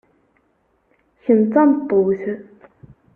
Kemm d tameṭṭut.